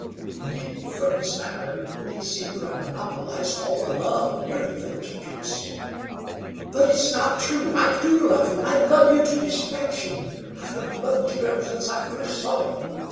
Indeed, from his manner, he seemed to have monopolized all the love near the Village of Peace." "But it's not true. I do love you. I love you to distraction. I have loved you ever since I first saw you.